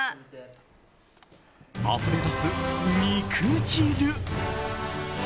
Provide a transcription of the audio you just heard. あふれ出す肉汁。